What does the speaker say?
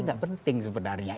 nggak penting sebenarnya